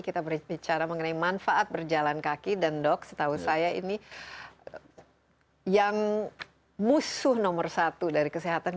kita berbicara mengenai manfaat berjalan kaki dan dok setahu saya ini yang musuh nomor satu dari kesehatan